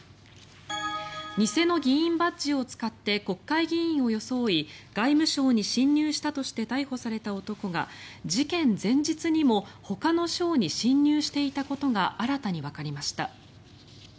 偽の議員バッジを使って国会議員を装い外務省に侵入したとして逮捕された男が事件前日にもほかの省に侵入していたことが新たにわかりました。